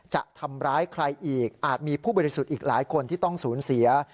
จะทำร้ายใครอีกอาจมีผู้บริสุทธิ์อีกหลายคนที่ต้องสูญเสีย